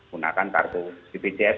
gunakan kartu bpjs